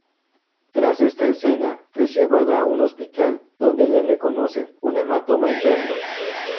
Tras esta escena es llevada a un hospital, donde le reconocen un hematoma interno.